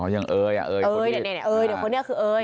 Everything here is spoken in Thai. อ๋ออย่างเอ๋ยเอ๋ยเดี๋ยวนี้เอ๋ยเดี๋ยวคนเนี้ยคือเอ๋ย